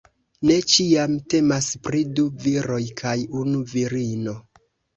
Ne ĉiam temas pri du viroj kaj unu virino.